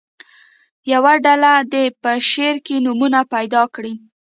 یوه ډله دې په شعر کې نومونه پیدا کړي.